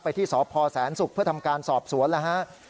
ที่สพแสนศุกร์เพื่อทำการสอบสวนแล้วฮะ